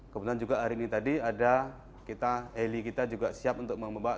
kemudian juga hari ini tadi ada heli kita juga siap untuk membawa